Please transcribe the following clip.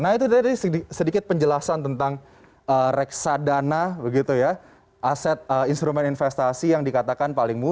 nah itu tadi sedikit penjelasan tentang reksadana aset instrument investasi yang dikatakan paling mudah